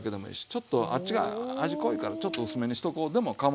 ちょっとあっちが味濃いからちょっと薄めにしとこうでもかまわないんですよ。